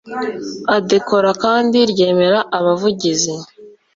ADECOR KANDI RYEMERA ABAVUGIZI